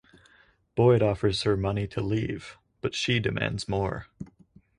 Boyd offers her money to leave but she demands more.